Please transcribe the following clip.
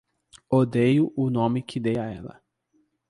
Odeio o nome que dei a ela